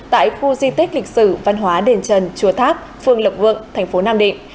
tại khu di tích lịch sử văn hóa đền trần chùa tháp phương lộc vượng thành phố nam định